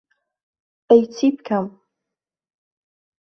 ئەی چی بکەم؟